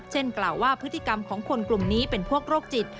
กล่าวว่าพฤติกรรมของคนกลุ่มนี้เป็นพวกโรคจิต